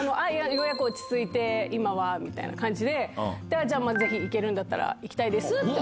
ようやく落ち着いて、今はみたいな感じで、じゃあ、ぜひ行けるんだったら、行きたいですって。